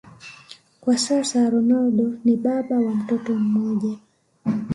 Kwa sasa Ronaldo ni baba wa mtoto mmoja